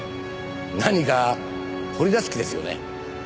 何か掘り出す気ですよね？